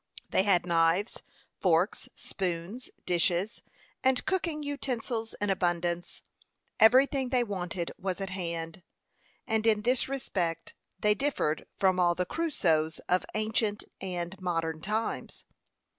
They had knives, forks, spoons, dishes, and cooking utensils in abundance. Everything they wanted was at hand; and in this respect they differed from all the Crusoes of ancient and modern times.